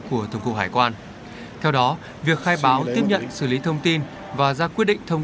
của tổng cục hải quan theo đó việc khai báo tiếp nhận xử lý thông tin và ra quyết định thông